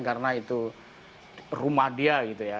karena itu rumah dia gitu ya